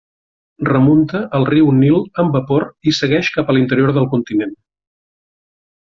Remunta el riu Nil en vapor i segueix cap a l'interior del continent.